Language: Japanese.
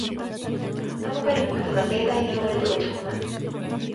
買ったばかりの靴が盛大に汚れて落ちこむ